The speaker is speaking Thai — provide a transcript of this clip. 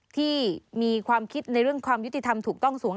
ที่มีความคิดในเรื่องความยุติธรรมถูกต้องสวง